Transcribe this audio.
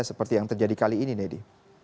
seperti yang terjadi kali ini nedi